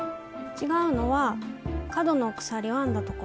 違うのは角の鎖を編んだところです。